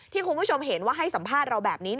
คุณผู้ชมเห็นว่าให้สัมภาษณ์เราแบบนี้